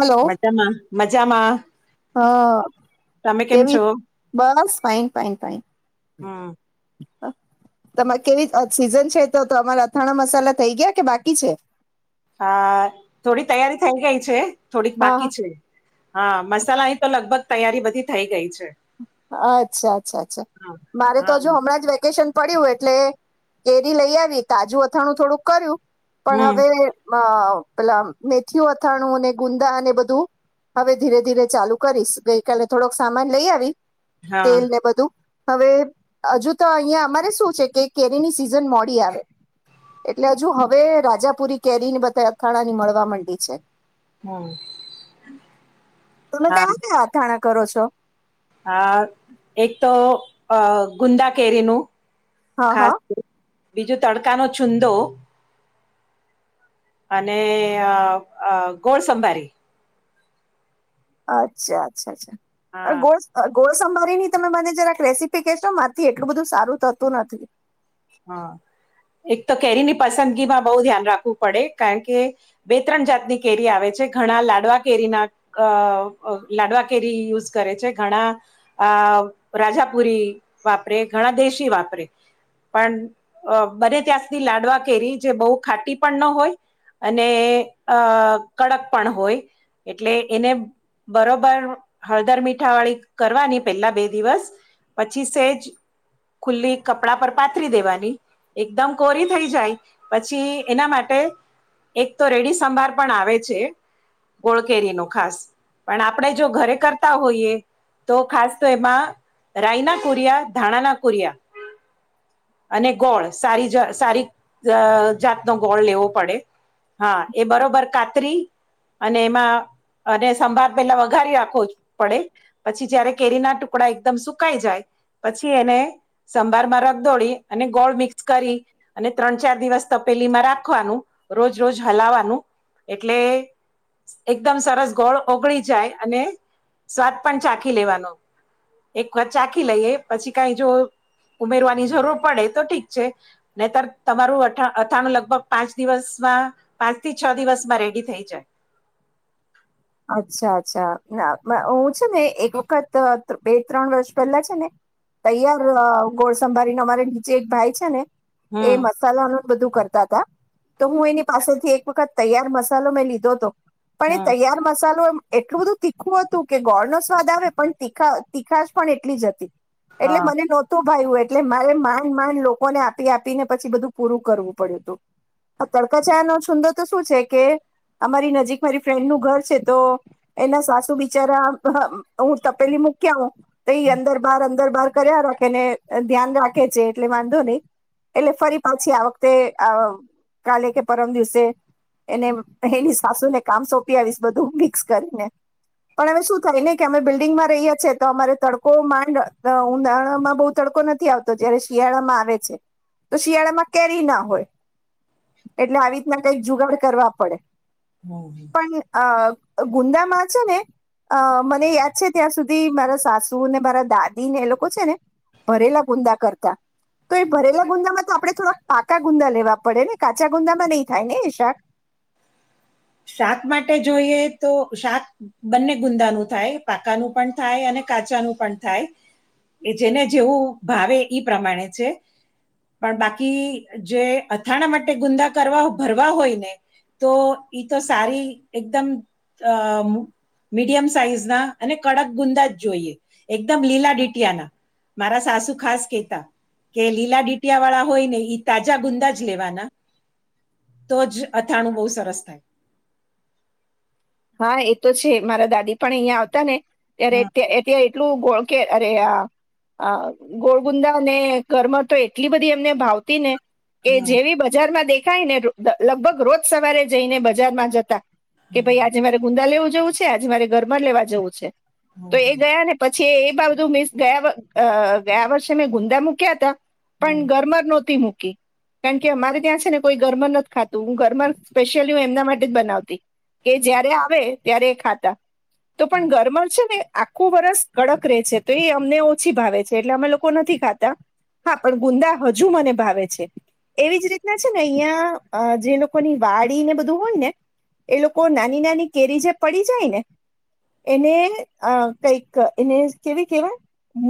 Hello મટમાં મજામાં. હા તમે કેમ કેવી છો બસ ફ પાન પા હમ તમારે કેવી સીઝન છે તો તો અમારા અથાણા મસાલા થઇ ગયા કે બાકી છે. હા થોડી તૈયારી થઈ ગઈ છે. થોડીક હા બાકી છે હા મસાલા. તો લગભગ તૈયારી બધી થઈ ગઈ છે. અચ્છા અચ્છા અચ્છા હા મારે તો હા હજ હમણાં જ વેકેશન પડ્યું એટલે કેરી લઈ આવી, તાજું અથાણું થોડુંક કર્યું. પણ હમ હવે અ પેલા મેથીયું અથાણું, ને ગુંદા અને બધું હવે ધીરે ધીરે ચાલુ કરીશ. ગઈકાલે થોડોક સામાન લઈ આવી. હા તેલ ને બધું હવે હજુ તો અહિયાં અમારે શું છે કે કેરીની સિઝન મોડી આવે, એટલે હજુ હવે રાજાપુરી કેરી ને બધા અથાણા ની મળવા માંડી છે. હમ તમે હા ક્યાંથી અથાણા કરો છો? હા, એક તો અ ગુંદા કેરીનું હા ખાસ. હા બીજું તડકા નો છુંંદો અને ગોળ સંંભારી. અચ્છા, અચ્છા, અચ્છા. આ હા ગોળ ગોળસંભારી ની તમે મને જરાક રેસીપી કેશો, મારા થી એટલું બધું સારું થતું નથી. હા, એક તો કેરીની પસંદગીમાં બહુ ધ્યાન રાખવું પડે, કારણ કે બે- ત્રણ જાતની કેરી આવે છે. ઘણા લાડવા કેરીના લાડવા કેરી યુઝ કરે છે, ઘણા આ રાજાપુરી વાપરે ઘણા દેશી વાપરે. પણ બને ત્યાં સુધી લાડવા કેરી જે બહુ ખાટી પણ ન હોય અને અ કડક પણ હોય, એટલે એને બરોબર હળદર- મીઠાવાળી કરવાની પેલા બે દિવસ પછી સે જ ખુલ્લી કપડા પર પાથરી દેવાની, એકદમ કોરી થઈ જાય પછી, એના માટે એક તો રેડી સંભાર પણ આવે છે. ગોળકેરી નો ખાસ, પણ આપણે જો ઘરે કરતા હોઈએ તો ખાસ તો એમાં રાયના કુરિયા ધાણાના કુરિયા અને ગોળ સારી સારી જાતનો ગોળ લેવો પડે. હા, એ બરોબર કાતરી અને એમાં અને સંભાર પહેલા વઘારી રાખવો પડે. પછી જયારે કેરી ના ટુકડા એકદમ સુકાઈ જાય, પછી એને સંભારમાં રગ ોડી [unintelligible] અને ગોળ મિક્સ કરી અને ત્રણ- ચાર દિવસ તપેલી માં રાખવાનું રોજ રોજ હલાવાનું એટલે એકદમ સરસ ગોળ ઓગળી જાય અને સ્વાદ પણ ચાખી લેવાનો. એક વાત ચાખી લઈએ, પછી કંઈ જો ઉમેરવાનું ની જરૂર પડે તો ઠીક છે. તમારું અ અથાણું લગભગ પાંચ દિવસમાં પાંચ થી છ દિવસમાં રેડી થઈ જાય. અચ્છા, અચ્છા. હું છે ને એક વખત બે- ત્રણ વર્ષ પહેલા છે ને, તૈયાર ગોળ સંભળીને અમારે નીચે એક ભાઈ છે ને. એ હમ મસાલાનું બધું કરતા હતા. તો હું એની પાસેથી એક વખત તૈયાર મસાલો મેં લીધો હતો. પણ એ હમ તૈયારમાં ચાલું એટલું બધું તીખું હતું કે ગોળ નો સ્વાદ આવે, પણ તીખા તીખા જ પણ એટલી જ હતી. એટલે હા મને નહોતુ ભાઈવુ, એટલે મારે માંડ-માંડ લોકોને આપી- આપીને પછી બધું પૂરું કરવું પડ્યું હતું. તડકા ચાયા નો છુંદો તો શું છે કે અમારી નજીક મારી ફ્રેન્ડ નું ઘર છે. તો એના સાસુ બિચારા, હું તપેલી મૂક્યા હો. તેઈ અંદર, બહાર, અંદર. દરબાર કર્યા રાખને ધ્યાન રાખે છે એટલે વાંધો નહીં. એટલે ફરી પાછી આ વખતે કાલે કે પરમ દિવસે એને એની સાસુને કામ સોંપી આવીશ, બધું. મિક્સ કરીને પણ અવે શું થાય ને કે અમે બિલ્ડિંગમાં રહીએ છીએ, તો અમારે તડકો માંડ ઉનાળમાં બહુ તડકો નથી આવતો, જયારે શિયાળામાં આવે છે, તો શિયાળામાં કેરી ના હોય, એટલે આવી રીતના કંઈક જુગાડ કરવા પડે. હમ પણ આ. ગુંદામાં, છે ને અ મને યાદ છે ત્યાં સુધી મારા સાસુ ને મારા દાદી ને એ લોકો છે ને ભરેલા ગુંદા કરતા. તો એ ભરેલા ગુંદામાં તો આપડણે થોડાક પાકા ગુંદા લેવા પડે ને, કાચા ગુંદામાં નહી થાય ને એ શાક. શાક માટે જોઈએ તો શાક બંને ગુંદાનું થાય પાકાનું પણ થાય અને કાચાનું પણ થાય, એ જેને જેવું ભાવે ઈ પ્રમાણે છે. પણ બાકી જે અથાણા માટે ગુંદા કરવા ભરવા હોય ને તો. તો સારી, એકદમ મીડિયમ સાઈઝ ના અને કડક ગુંદા જ જોઈએ, એકદમ લીલા ડીટીયા ના. મારા સાસુ ખાસ કહેતા કે લીલા ડીટીયા વાળા હોય ને ઈ તાજા ગુંદા જ લેવાના, તો જ અથાણું બહુ સરસ થાય. હા, એ તો છે. મારા દાદી પણ અહિયાં આવતા ને. યાર હમ એ. એટલું ગોળ- કેર અરે આ ગોળ-ગુંદા ને કરમર તો એટલી બધી એમને ભાવતી ને. એ હમ જેવી બજારમાં દે. દેખાય ને લગભગ રોજ સવારે જઈને બજારમાં જતા કે હમ ભાઈ આજે મારે ગુંદા લેવું જવું છે આજે મારે ઘરમાંર લેવા જવું છે તો એ હમ ગયા ને પછી છે એ બાધું મસ ગયા ગયા વર્ષે મેં ગુંદા મૂક્યા હતા હમ પણ ગરમર નહોતી હું કારણકે અમારે ત્યાં છે ને કોઈ ઘરમાં નથી ખાતું હું ઘરમાં સ્પેશિયલી હું એમના માટે જ બનાવતી કે જયારે આવે ત્યારે એ ખાતા તો પણ ઘરમ છે ને આખું વરસ કડક રે છે તો એ અમને ઓછી ભાવે છે એટલે અમે લોકો નથી ખાતા હા પણ ગુંદા હજુ મને ભાવે છે એવી જ રીતના છે ને અહિયાં જે લોકોની વાડી ને બધું હોય ને એ લોકો નાની નાની [unintelligible] જે પડી જાય ને એને કઈક એને કેવી કેહેવાય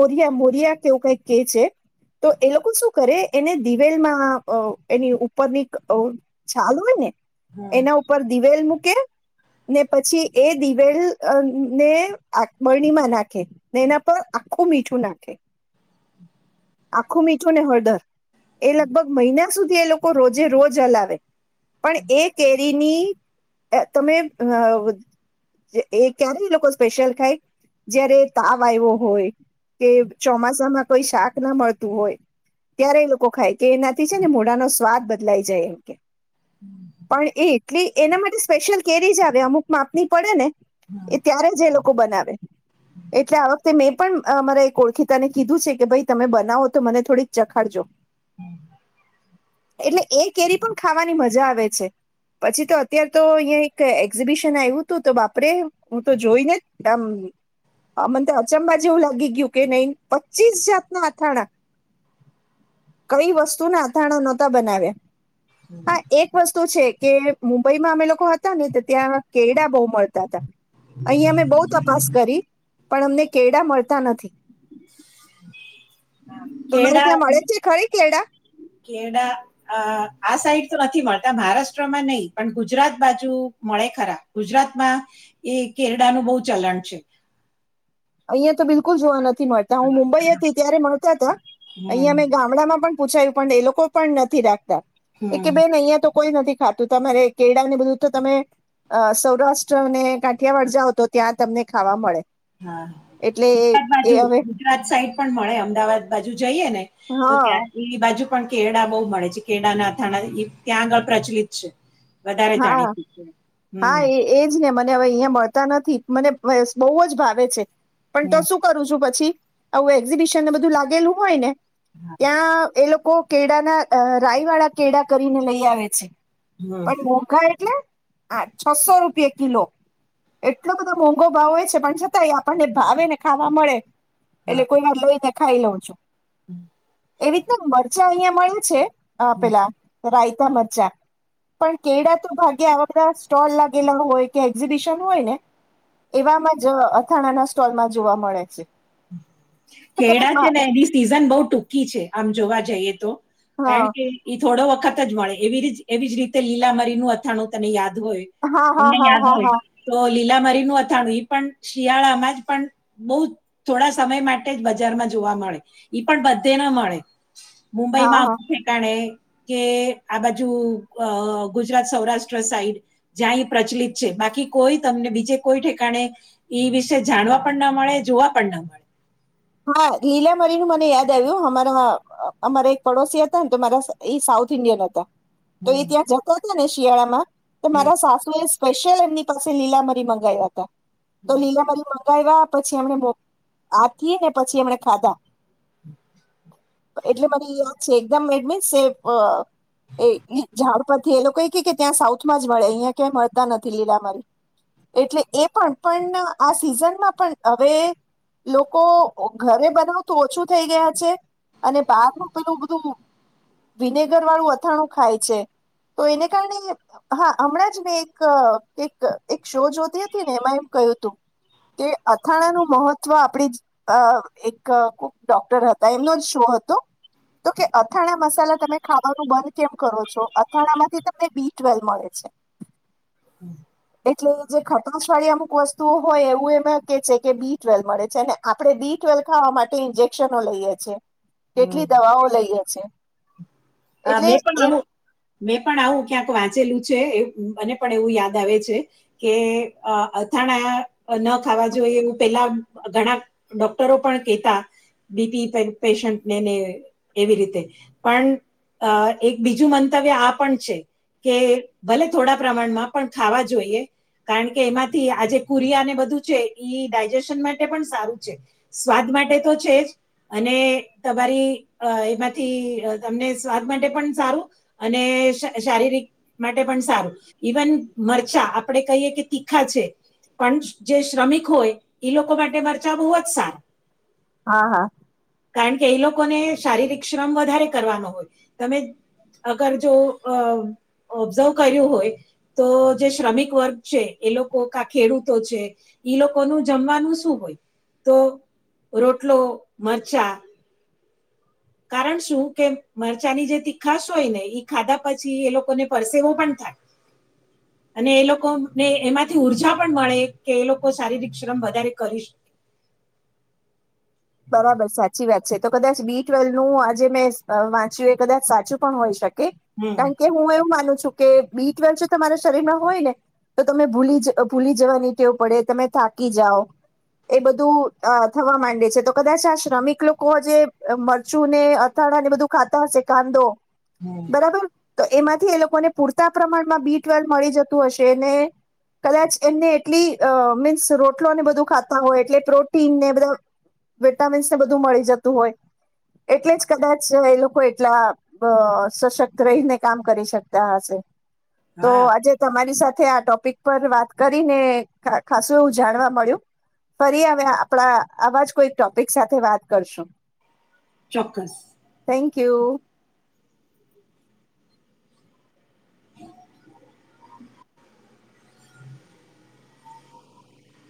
મોરિયા મોરિયા કેવું કઈક કે છે તો એ લોકો શું કરે એને દિવેલમાં એની ઉપરની ચાલુ હોય ને એના ઉપર મૂકે ને પછી એ દિવેલ ને બરણીમાં નાખે ને એના પર આખું મીઠું નાખે આખું મી ને હળદર એ લગભગ મહિના સુધી એ લોકો રોજે રોજ હલાવે પણ એ કેરીની તમે એ ક્યારેય લોકો સ્પેશિયલ ખાય જય્યારે તાવ આવ્યો હોય કે ચોમાસામાં કોઈ શાક ના મળતું હોય ત્યારે એ લોકો ખાય કે એનાથી છે ને મોઢાનો સ્વાદ બદલાઈ જાય એમ કે પણ એ એટલી એના માટે સ્પેશિ્યલ કેરીજ આવે અમુક માપની પડે ને એ ત્યારે જ એ લોકો બનાવે એટલે આ વખતે મે પણ મારા ઓળખીતાને કીધું છે કે ભાઈ તમે બનાવો તો મને થોડીક ચખાડજો હમ એટલે એ કેરી પણ ખાવાની મજા આવે છે પછી તો અત્યારે તો અહીં એક એક્ઝિબિશન આવ્યું હતું તો બાપરે હું તો જોઈને આમ અમંત અચંબા જે એવું લાગી ગયું કે ન પચીસ જાતના અથાણા કઈ વસ્તુ ના અથાણા નહોતા બનાવ્યા હા એક વસ્તુ છે કે હ પઈમાં અમે લોકો હતા ને તો ત્યાં કેડા બહુ મળતા હતા. અહીં અમે બહુ તપાસ કરી પણ અમને કેડા મળતા નથી. તમારે કેડા ત્યાં મળે છે ખરી કેળા કેડા અ આ સાઈડ તો નથી મળતા મહારાષ્ટ્રમાં નહીં પણ ગુજરાત બાજુ મળે ખરા ગુજરાતમાં એ કેરડાનું બહુ ચલણ છે. અહિયાયા તો બિલકુલ જોવ નથ થી મળતા હું મુંબઈ હતી ત્યારે મળતા હતા અહીંયા હમ, અમે ગામડામાં પણ પૂછાયું પણ એ લોકો પણ નથી રાખ તા. એક કે હમ, બે નહી એ તો કોઈ નથી ખાતું તમારે કેળા ને બધું તો તમે અ સૌરાષ્ટ્રને કાઠિયાવાળ જાવ તો ત્યાં તમને ખાવા મળે. હા એટલે એ બાર એ બાજુ હવે ગુજરાત સાઈડ પણ મળે અમદાવાદ બાજુ જઈએ ને તો હા ત્યાં એ બાજુ પણ કેડા બહુ મળે છે કેડાના થાણા ત્યાં આગળ પ્રચલિત છે. વધારે હા હા જાણીતું છે હમ હા એ એ એજ ને મને હવે અહિયા મળતા નથી. મને બહુ જ ભાવે છે. પણ તો હમ શું કરું છું પછી. આવું એક્ઝિબિશન ને બધું લાગેલું હોય ને હા, ત્યાં એ લોકો લોકો કેડા ના રાય વાળા કેડા કરીને લઈ આવે છે. હમ પણ બખા એટલે હા છસો રૂપિ કિલો એટલો બધો મોંઘો ભાવ હોય છે પણ છતાંય આપણને ભાવે ને ખાવા મળે. એટલે હા, કોઈ વાત ખાઈ લઉ છો. એવીતે મળ [unintelligible] અહિયાં મળ્યું છે હ હમ પેલા રાયતા મજ્જા પણ કેળ તો ભાગે આ બધા સ્ટોલ લાગેલા હોય કે એક્ઝિબિશન હોય ને એવામાં જ અથાણાના સ્ટોલમાં જોવા મળે છે. તો તમે કેડા છે ને એની સિઝન બહ ટૂંકી છે આમ જોવા જઈએ તો. મા કારણ હા કે થોડો વખત જ મળે એવી એવી જ રીતે લીલામરીનું અથાણું તને યાદ હોય હા હા તમને હા યાદ હા હોય હા તો લીલામરીનું અથાણું પણ શિયાળામાં જ પણ બહ થોડા સમય માટે જ બજારમાં જોવા મળે ઈ પણ બધે ના મળે. હા મુંબઈમાં હા અમુક ઠેકાણે કે આ બાજુ અ ગુજરાત સૌરાષ્ટ્ર સાઈડ જ્યાં એ પ્રચલિત છે બાકી કોઈ તમને બીજે કોઈ ઠેકાણે ઈ વિશે જાણવા પણ ના મળે જોવા પણ ના મળે. હા લીલા મરીનું મને યાદ આવ્યું અમારા અમારા એક પડોશી હતા ને તો મારા એ સાઉથ ઇન્ડિયન હતા. તો હમ એ ત્યાં જતો છે ને. શિયાળામાં તો મારા સાસુ એ સ્પેશિયલ એમની પાસે લીલા મરી મંગાવયા હતા. તો લીલા કર્યા પછી એમને ને પછી એમ ખાધા એટલે મારી યાદ છે એકદમ એમિ ઝાડ પરથી એ લોકો એ કે ત્યાં સાઉથમાં જ મળે અહીં ક્યાં મળતા નથી લીલા મારી એટલે એ પણ પણ આ સીઝનમાં પણ હવે લોકો ઘરે બનાવ તો ઓછું થઈ ગયા છે અને બહાર ન પેલું બધું વિનેગર વાળું અથાણું ખાય છે. તો એને કારણે હા હમણાં જ મેં એક શો જોતી હતી ને એમાં એમ કહ્યું હતું કે અથાણાનું મહત્વ આપડી અ એક ડોક્ટર હતા, એમનો જ શું હતો તો કે અથાણા મસાલા તમે ખાવાનું બંધ કેમ કરો છો અથાણા માંથી તમને બી ટ્વેલ મળે છે. હમ. એટલે જે ખટોશ વાળી અમુક વસ્તુઓ હોય એવું એમાં કે છે કે બી ટ્વેલ મળે છે ને. આપડણે બી ટ્વેલ્વ ખાવા માટે ઇન્જેક્શનો લઈએ છીએ. કેટલી દવાઓ લઈએ છે. હા મે પણ હવે મેં પણ આવું ક્યાંક વાંચેલું છે એ મને પણ એવું યાદ આવે છે કે અથાણા ન ખાવા જોઈએ એવું પેલા ઘણા ડોક્ટરો પણ કેતા બી પી પેશન્ટને ને ને એવી રીતે પણ અ એક બીજું મંતવ્ય આ પણ છે કે ભલે થોડા પ્રમાણમાં પણ ખાવા જોઈએ. કારણ કે એમાંથી આજ કુરિયાને બધું છે ડાયજેશન માટે પણ સારું છે. સ્વાદ માટે તો છે જ અને તમારી એમાંથી તમને સ્વાદ માટે પણ સારું અને શા શારીરિક માટે પણ સારું. ઇવન મરચા આપણે કહીએ કે તીખા છે, પણ જે શ્રમિક હોય એ લોકો માટે મરચાં બહુ જ સારા. હા હા. કારણ કે એ લોકોને શારીરિક શ્રમ વધારે કરવાનો હોય. તમે અગર જો અ ઓબ્ઝર્વ કર્યું હોય તો જે શ્રમિક વર્ગ છે એ લોકો કા ખેડૂતો છે ઈ લોકોનું જમવાનું શું હોય? તો રોટલો મરચાં કારણ શું કે મરચાંની જે તીખાશ હોય ને ઈ ખાધા પછી એ લોકોને પરસેવો પણ થાય અને એ લોકોને એમાંથી ઊર્જા પણ મળે કે એ લોકો શારીરિક શ્રમ વધારે કરી શકે. બરાબર સાચી વાત છે. તો કદાચ બી ટ્વેલ્વ નું આજે મેં વાંચ્યું એ કદાચ સાચું પણ હોય શક કે હમ કારણ કે હું એવું માનું છું કે બી ટ્વેલ્ જો તમારા શરીરમાં હોય ને તો તમે ભૂલી ભૂલી જવાની ટેવ પડે, તમે થાકી જઓ એ બધું થવા માંડે છે તો કદાચ આ શ્રમિક લોકો જે મરચું ને અથાણા ને બધું ખાતા હશે કાંદો હમ્મ. બરાબર તો એમાંથી એ લોકોને પૂરતા પ્રમાણમાં બી ટ્વેલ્વ મળી જતું હશે અને કદાચ એમને એટલી અ મીન્સ રોટલોને બધું ખાતા હોય એટલે પ્રોટીનને બધા વિટામિન્સ ને બધું મળી જતું હોય એટલે જ કદાચ એ લોકો એટલા અ સશક્ત રહીને કામ કરી શકતા હશે. તો હા આજે તમારી સાથ આ ટોપિક પર વાત કરીને ખાસું એવું જાણવા મળ્યું ફરી હ આપણા આવાજ કોઈ ટોપિક સાથે વાત કરશું. ચોક્કસ. Thank you. [inaudible]